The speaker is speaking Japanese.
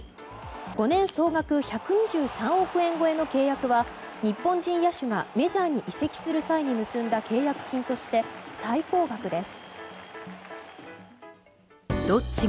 ５年総額１２３億円超えの契約は日本人野手がメジャーに移籍する際に結んだ契約金として最高額です。